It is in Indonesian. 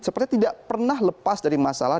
seperti tidak pernah lepas dari masalah